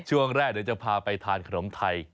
ช่วงแรกเดี๋ยวจะพาไปทานขนมไทย